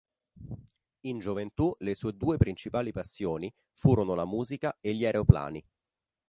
In gioventù le sue due principali passioni furono la musica e gli aeroplani.